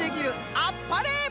あっぱれ！